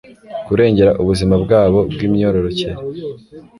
kurengera ubuzima bwabo bw imyororokere